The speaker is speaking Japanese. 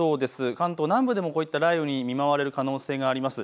関東南部でも雷雨に見舞われる可能性があります。